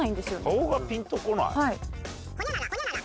顔がピンとこない？